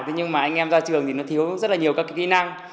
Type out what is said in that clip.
thế nhưng mà anh em ra trường thì nó thiếu rất là nhiều các kỹ năng